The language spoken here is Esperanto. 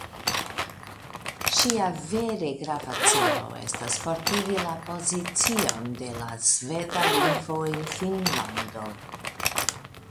Ŝia vere grava celo estas fortigi la pozicion de la sveda lingvo en Finnlando.